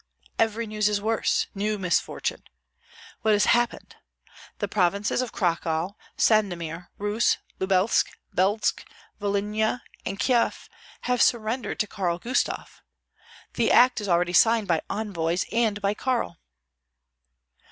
"Every news is worse. New misfortune " "What has happened?" "The provinces of Cracow, Sandomir, Rus, Lubelsk, Belzk, Volynia, and Kieff have surrendered to Karl Gustav. The act is already signed by envoys and by Karl."